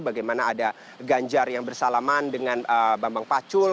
bagaimana ada ganjar yang bersalaman dengan bambang pacul